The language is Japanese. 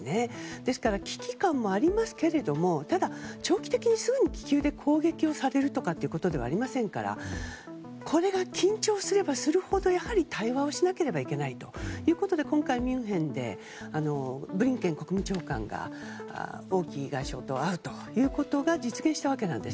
ですから、危機感もありますけどただ、長期的にすぐ気球で攻撃をされるということではありませんからこれが緊張すればするほどやはり対話をしなければいけないということで今回、ミュンヘンでブリンケン国務長官が王毅外相と会うことが実現したわけなんです。